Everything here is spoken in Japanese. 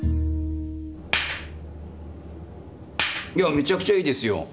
めちゃくちゃいいですよ。